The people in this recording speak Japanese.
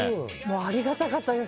ありがたかったです。